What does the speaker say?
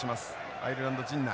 アイルランド陣内。